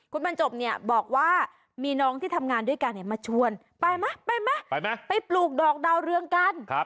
คุณบรรจบเนี่ยบอกว่ามีน้องที่ทำงานด้วยกันมาชวนไปไหมไปไหมไปปลูกดอกดาวเรืองกัน